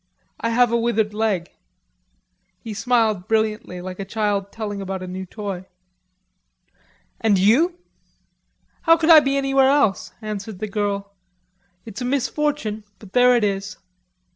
I have a withered leg." He smiled brilliantly like a child telling about a new toy. "And you?" "How could I be anywhere else?" answered the girl. "It's a misfortune, but there it is."